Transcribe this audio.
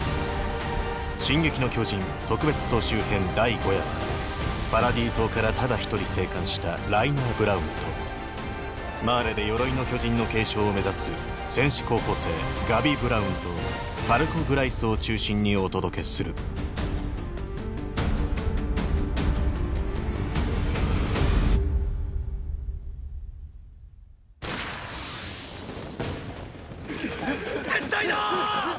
「進撃の巨人特別総集編」第５夜はパラディ島からただ一人生還したライナー・ブラウンとマーレで「鎧の巨人」の継承を目指す戦士候補生ガビ・ブラウンとファルコ・グライスを中心にお届けする撤退だーっ！！